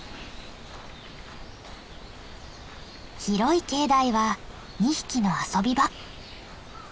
広い境内は２匹の遊び場。